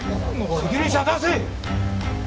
責任者を出せ！